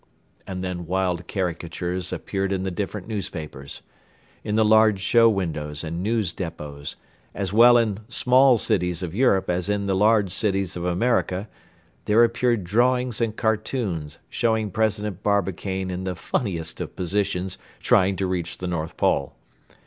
And then wild caricatures appeared in the different newspapers. In the large show windows and news depots, as well in small cities of Europe as in the large cities of America, there appeared drawings and cartoons showing President Barbicane in the funniest of positions trying to reach the North Pole.